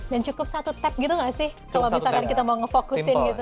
dan cukup satu tap gitu gak sih kalau misalkan kita mau ngefokusin gitu